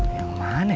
yang mana ya